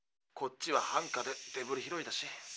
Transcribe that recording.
こっちはハンカでデブリ拾いだし。